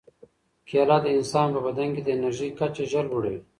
کیله د انسان په بدن کې د انرژۍ کچه ژر لوړوي.